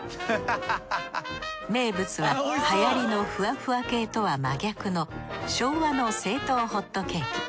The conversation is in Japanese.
名物ははやりのフワフワ系とは真逆の昭和の正統ホットケーキ。